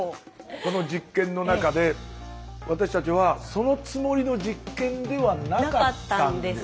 この実験の中で私たちはそのつもりの実験ではなかったんです。